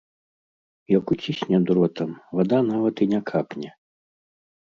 Як уцісне дротам, вада нават і не капне.